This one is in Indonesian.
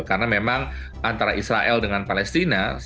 karena memang antara israel dengan palestina